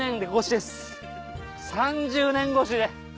３０年越しで。